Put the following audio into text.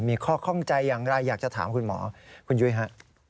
มีข้อข้องใจอย่างไรอยากจะถามคุณหมอคุณยุ้ยฮะ